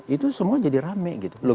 itu semua jadi rame gitu